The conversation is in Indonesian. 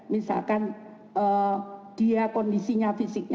misalkan dia kondisinya fisiknya